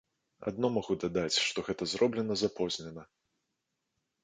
Адно магу дадаць, што гэта зроблена запознена.